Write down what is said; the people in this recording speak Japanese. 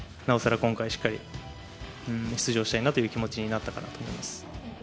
今回しっかり出場したいなという気持ちになったからだと思います。